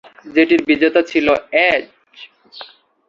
যেটির বিজেতা ছিল এজ।